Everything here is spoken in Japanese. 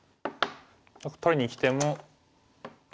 取りにきても。